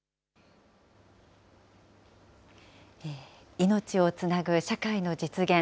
命をつなぐ社会の実現。